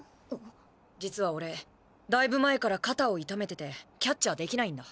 実は俺だいぶ前から肩を痛めててキャッチャーできないんだ。